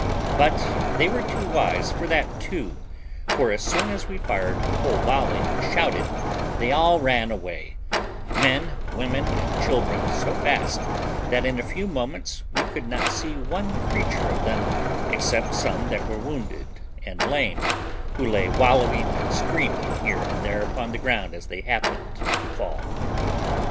But they were too wise for that too, for as soon as we had fired a whole volley and shouted, they all ran away, men, women, and children, so fast that in a few moments we could not see one creature of them except some that were wounded and lame, who lay wallowing and screaming here and there upon the ground as they happened to fall.